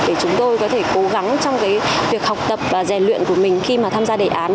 để chúng tôi có thể cố gắng trong việc học tập và rèn luyện của mình khi mà tham gia đề án